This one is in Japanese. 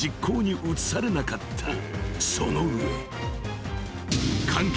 ［その上］